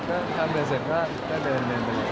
ก็ทำเดินเสร็จแล้วก็เดิน